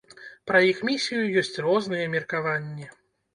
Пра іх місію ёсць розныя меркаванні.